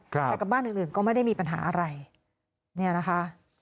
แต่กับบ้านอื่นอื่นก็ไม่ได้มีปัญหาอะไรเนี่ยนะคะ